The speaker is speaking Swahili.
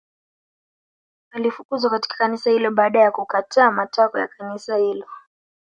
Alifukuzwa katika kanisa hilo baada ya kukataa matakwa ya kanisa hilo